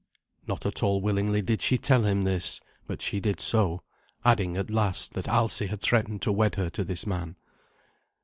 Not at all willingly did she tell him this; but she did so, adding at last that Alsi had threatened to wed her to this man.